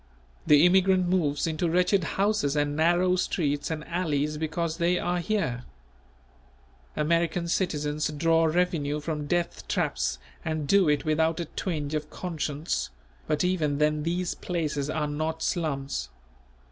The immigrant moves into wretched houses and narrow streets and alleys because they are here. American citizens draw revenue from death traps and do it without a twinge of conscience; but even then these places are not slums.